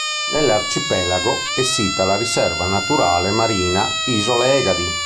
Sull'arcipelago è sita la Riserva naturale marina Isole Egadi.